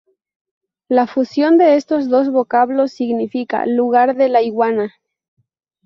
La fusión de estos dos vocablos significa "lugar de la iguana".